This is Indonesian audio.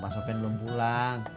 pak sofyan belum pulang